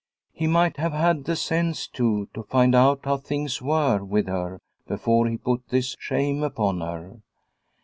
He might have had the sense, too, to find out how things were with her before he put this shame upon her.